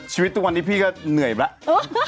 ชีวิตทุกวันนี้พี่ก็เหนื่อยแล้ว